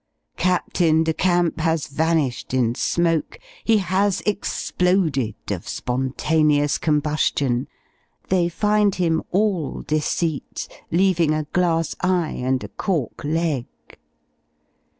Captain de Camp has vanished in smoke he has exploded of spontaneous combustion, they find him all deceit, leaving a glass eye and a cork leg.